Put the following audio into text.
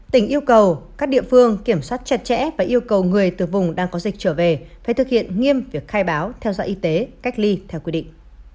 tỉnh yêu cầu các địa phương kiểm soát chặt chẽ và yêu cầu người từ vùng đang có dịch trở về phải thực hiện nghiêm việc khai báo theo dõi y tế cách ly theo quy định